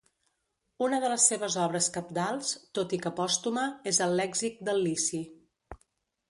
Una de les seves obres cabdals, tot i que pòstuma, és el lèxic del lici.